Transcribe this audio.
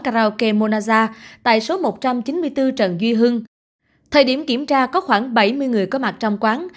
karaoke monaza tại số một trăm chín mươi bốn trần duy hưng thời điểm kiểm tra có khoảng bảy mươi người có mặt trong quán